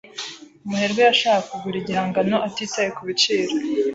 Umuherwe yashakaga kugura igihangano atitaye kubiciro.